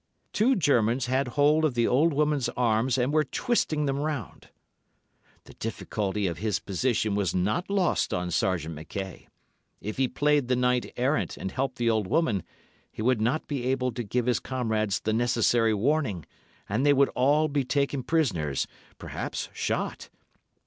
Two Germans had hold of the old woman's arms and were twisting them round. The difficulty of his position was not lost on Sergeant Mackay. If he played the knight errant and helped the old woman, he would not be able to give his comrades the necessary warning, and they would all be taken prisoners—perhaps shot.